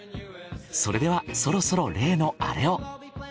それではそろそろ例のアレを。